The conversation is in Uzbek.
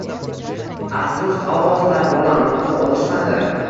Afsus,g`avvoslar bolamni topa olishmadi